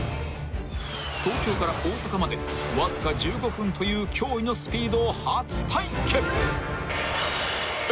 ［東京から大阪までわずか１５分という驚異のスピードを初体験］